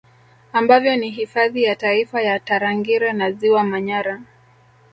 Ambavyo ni Hifadhi ya Taifa ya Tarangire na Ziwa Manyara